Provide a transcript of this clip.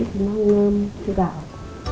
thì nó ngâm cho gạo